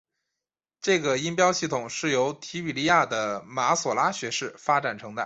这个音标系统是由提比哩亚的马所拉学士发展成的。